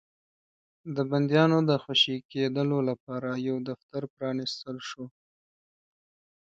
د بنديانو د خوشي کېدلو لپاره يو دفتر پرانيستل شو.